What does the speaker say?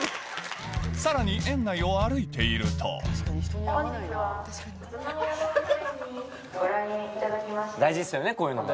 さらに園内を歩いていると大事ですよねこういうのも。